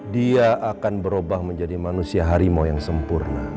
dia akan berubah menjadi manusia harimau yang sempurna